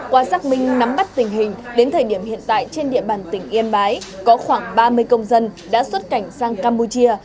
qua xác minh nắm bắt tình hình đến thời điểm hiện tại trên địa bàn tỉnh yên bái có khoảng ba mươi công dân đã xuất cảnh sang campuchia